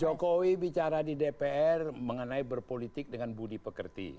jokowi bicara di dpr mengenai berpolitik dengan budi pekerti